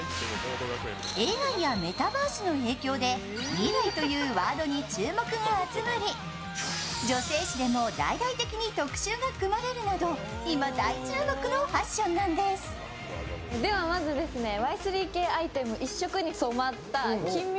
ＡＩやメタバースの影響で未来というワードに注目が集まり、女性誌でも大々的に特集が組まれるなど今、大注目のファッションなんです移動しましょう。